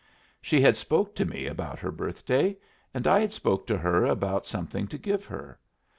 "She had spoke to me about her birthday, and I had spoke to her about something to give her.